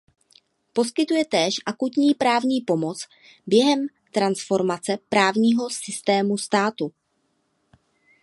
Poskytuje též akutní právní pomoc během transformace právního systému státu.